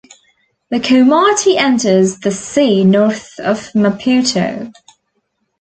The Komati enters the sea north of Maputo.